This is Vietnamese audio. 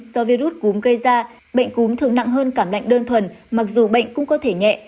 do virus cúm gây ra bệnh cúm thường nặng hơn cảm lạnh đơn thuần mặc dù bệnh cũng có thể nhẹ